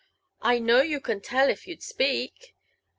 "I know you can tell if you'd speak.